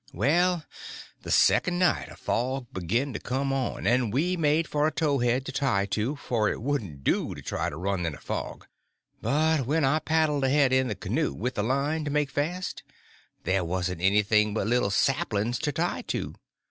Well, the second night a fog begun to come on, and we made for a towhead to tie to, for it wouldn't do to try to run in a fog; but when I paddled ahead in the canoe, with the line to make fast, there warn't anything but little saplings to tie to.